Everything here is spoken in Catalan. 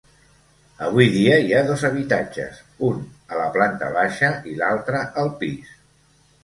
Avui dia hi ha dos habitatges: un a la planta baixa i l'altra al pis.